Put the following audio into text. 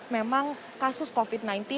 memang kasus covid sembilan belas